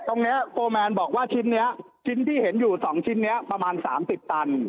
ตรงนี้โฟร์แมนบอกว่าชิ้นนี้ชิ้นที่เห็นอยู่๒ชิ้นนี้ประมาณ๓๐ตัน